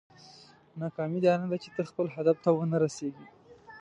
ناکامي دا نه ده چې ته خپل هدف ته ونه رسېږې.